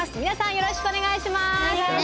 よろしくお願いします。